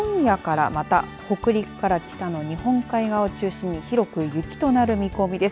ただ、今夜からまた北陸から北の日本海側を中心に広く雪となる見込みです。